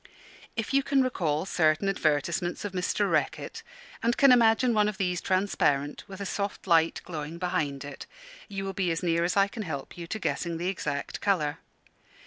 If you can recall certain advertisements of Mr. Reckitt, and can imagine one of these transparent, with a soft light glowing behind it, you will be as near as I can help you to guessing the exact colour.